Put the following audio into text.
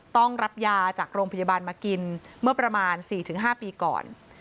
ต้องรับยาจากโรงพยาบาลมากินเมื่อประมาณ๔๕ปีก่อน